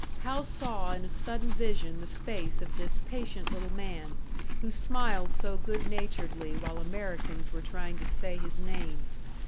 Hal saw in a sudden vision the face of this patient little man, who smiled so good naturedly while Americans were trying to say his name.